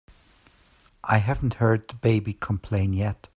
I haven't heard the baby complain yet.